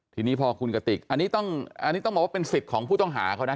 ทีนี้พอคุณกติกอันนี้ต้องบอกว่าเป็นสิทธิ์ของผู้ต้องหาเขานะ